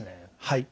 はい。